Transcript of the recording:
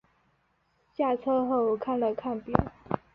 下车后我看了看表